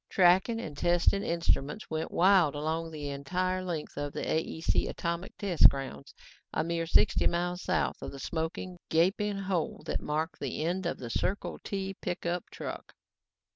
Tracking and testing instruments went wild along the entire length of the AEC atomic test grounds, a mere sixty miles south of the smoking, gaping hole that marked the end of the Circle T pickup truck.